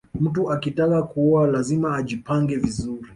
mtu akitaka kuoa lazima ajipange vizuri